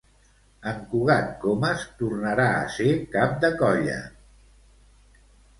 En Cugat Comas tornarà a ser Cap de Colla….